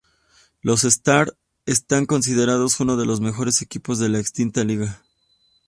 Los Stars están considerados uno de los mejores equipos de la extinta liga.